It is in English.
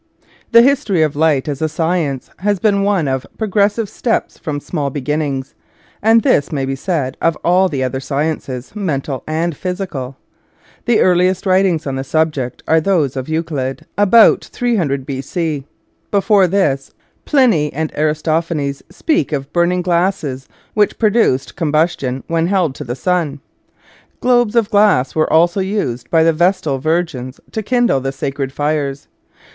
The history of light as a science has been one of progressive steps from small begin nings; and this may be said of all the other sciences, mental and physical. The earliest writings on the subject are those of Euclid, about 300 B.C. Before this Pliny and Aristo phanes speak of burning glasses which pro duced combustion when held to the sun. Globes of glass were also used by the vestal virgins to kindle the sacred fires.